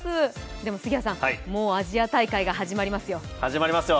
でも、杉谷さん、もうアジア大会が始まりますよ始まりますよ。